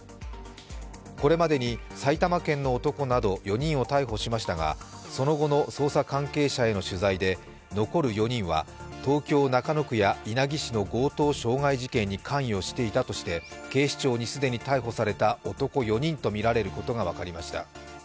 これまでに埼玉県の男など４人を逮捕しましたがその後の捜査関係者への取材で残る４人は東京・中野区や稲城市の強盗傷害事件に関与していたとして警視庁に既に逮捕された男４人とみられることが分かりました。